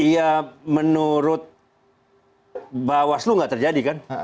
ya menurut bawaslu nggak terjadi kan